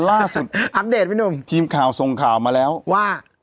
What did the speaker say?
ล่าสุดอัพเดททีมข่าวส่งข่าวมาแล้วว่า